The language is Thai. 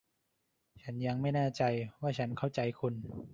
ฉันยังไม่แน่ใจว่าฉันเข้าใจคุณ